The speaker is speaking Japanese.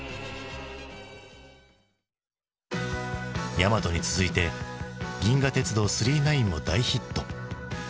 「ヤマト」に続いて「銀河鉄道９９９」も大ヒット。